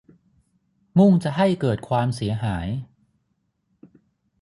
มุ่งจะให้เกิดความเสียหาย